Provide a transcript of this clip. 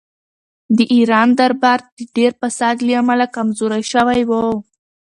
د ایران دربار د ډېر فساد له امله کمزوری شوی و.